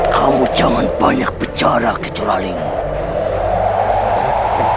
kamu jangan banyak berjarak kudraku